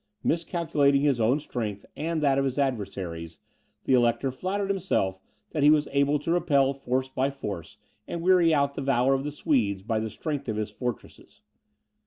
Miscalculating his own strength and that of his adversaries, the Elector flattered himself that he was able to repel force by force, and weary out the valour of the Swedes by the strength of his fortresses.